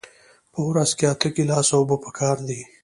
په ورځ کې اته ګیلاسه اوبه پکار دي